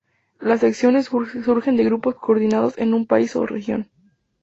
Las secciones surgen de grupos coordinados en un país o región.